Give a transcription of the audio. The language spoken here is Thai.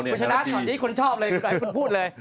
ตอนนี้ละงี้คุณชอบเลยเพลงคนพูดเลย